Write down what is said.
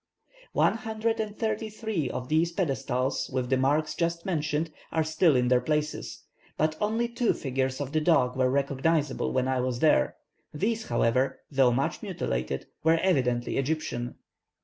One hundred and thirty three of these pedestals with the marks just mentioned are still in their places, but only two figures of the dog were recognizable when I was there; these, however, though much mutilated, were evidently Egyptian.